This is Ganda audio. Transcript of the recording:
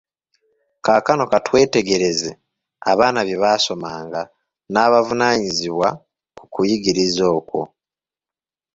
Kaakano ka twetegereze abaana bye baasomanga n’abavunaanyizibwa ku kuyigiriza okwo.